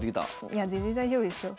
いや全然大丈夫ですよ。